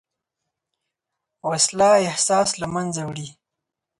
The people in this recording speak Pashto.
وسله احساس له منځه وړي